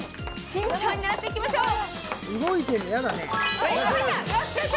慎重に狙っていきましょう。